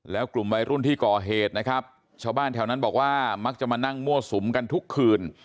แล้วกลุ่มวัยรุ่นที่ก่อเหตุนะครับชาวบ้านแถวนั้นบอกว่ามักจะมานั่งมั่วสุมกันทุกคืน